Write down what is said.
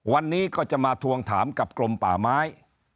วันนี้ก็จะมาทวงถามกับกรมป่าไม้